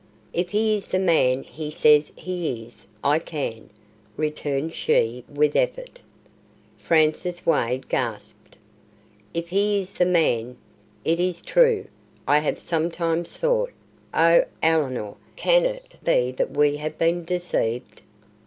"If he is the man he says he is, I can," returned she, with effort. Francis Wade gasped. "If he is the man! It is true I have sometimes thought Oh, Ellinor, can it be that we have been deceived?"